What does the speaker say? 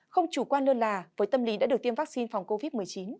không chủ quan lơ là với tâm lý đã được tiêm vaccine phòng covid một mươi chín